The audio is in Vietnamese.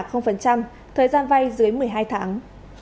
thời gian vay dưới một mươi hai tháng